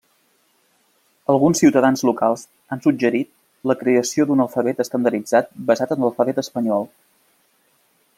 Alguns ciutadans locals han suggerit la creació d'un alfabet estandarditzat basat en l'alfabet espanyol.